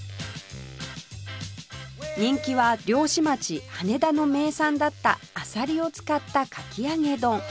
人気は漁師町羽田の名産だったあさりを使ったかき揚げ丼